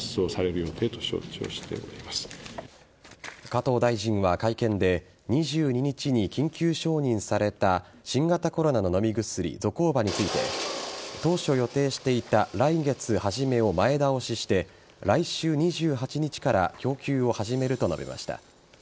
加藤大臣は会見で２２日に緊急承認された新型コロナの飲み薬ゾコーバについて当初予定していた来月初めを前倒しして来週２８日から供給を始めると述べました。